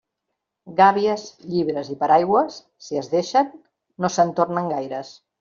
Gàbies, llibres i paraigües, si es deixen, no se'n tornen gaires.